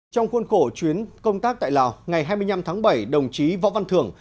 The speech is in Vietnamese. trong khuôn khổ chuyến công tác tại lào ngày hai mươi năm tháng bảy đồng chí võ văn thưởng